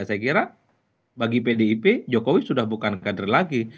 saya kira bagi pdip jokowi sudah bukan kader lagi